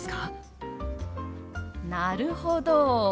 なるほど。